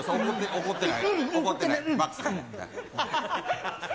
怒ってない？